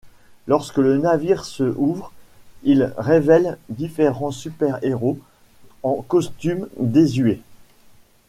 Lorsque le navire se ouvre, il révèle différents super-héros en costumes désuets.